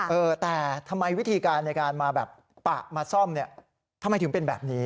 เออแต่ทำไมวิธีการในการมาแบบปะมาซ่อมเนี่ยทำไมถึงเป็นแบบนี้